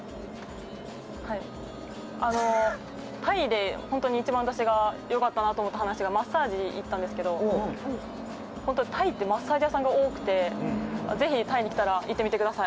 タイで一番私が良かったなと思った話がマッサージに行ったんですけど本当にタイってマッサージ屋さんが多くてぜひタイに来たら行ってみてください。